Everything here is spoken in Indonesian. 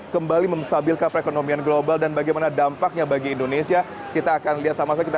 kembali memstabilkan perekonomian global dan bagaimana dampaknya bagi indonesia kita akan lihat